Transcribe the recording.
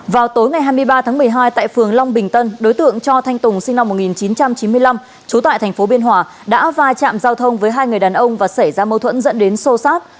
vào tối ngày hai mươi ba tháng một mươi hai tại phường long bình tân đối tượng cho thanh tùng sinh năm một nghìn chín trăm chín mươi năm trú tại thành phố biên hòa đã va chạm giao thông với hai người đàn ông và xảy ra mâu thuẫn dẫn đến sô sát